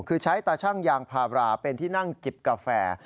คือใช้ตาชั่งยางพาราเป็นที่นั่งจิบกาแฟ